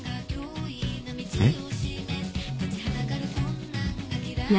えっ？